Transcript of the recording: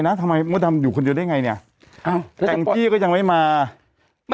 หรอหรอหรอหรอหรอหรอหรอหรอหรอหรอหรอหรอหรอหรอหรอหรอ